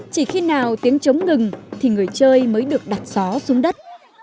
chỉ khi nào tiếng trống ngừng thì người chơi mới được đặt gió xuống đất